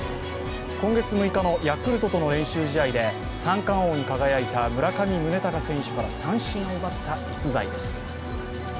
今月６日のヤクルトとの練習試合で三冠王に輝いた村上宗隆選手から三振を奪った逸材です。